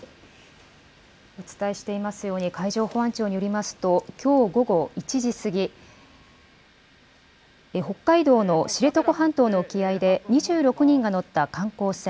お伝えしていますように、海上保安庁によりますと、きょう午後１時過ぎ、北海道の知床半島の沖合で、２６人が乗った観光船